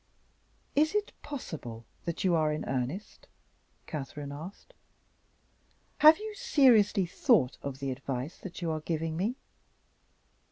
"Is it possible that you are in earnest?" Catherine asked. "Have you seriously thought of the advice that you are giving me?